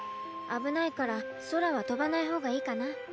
あぶないからそらはとばないほうがいいかな。